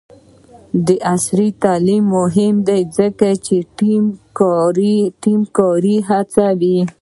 عصري تعلیم مهم دی ځکه چې د ټیم کار هڅوي.